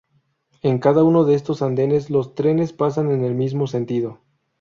En cada uno de estos andenes los trenes pasan en el mismo sentido.